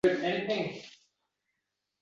Nega!?– dedi Prezident.